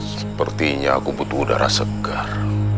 sepertinya aku butuh udara segar